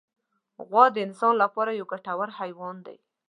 غوا د انسان له پاره یو ګټور حیوان دی.